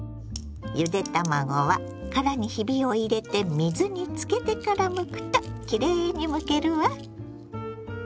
ゆで卵は殻にひびを入れて水につけてからむくときれいにむけるわ。